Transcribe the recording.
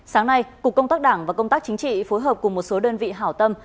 sáng nay cục công tác đảng và công tác chính trị phối hợp cùng một số đơn vị hảo tâm